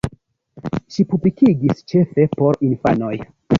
Ŝi publikigis ĉefe por infanoj.